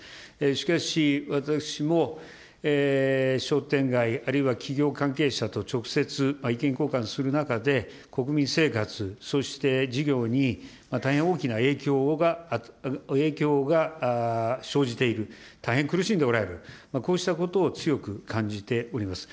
しかし、私も商店街、あるいは企業関係者と直接、意見交換する中で、国民生活、そして事業に大変大きな影響が生じている、大変苦しんでおられる、こうしたことを強く感じております。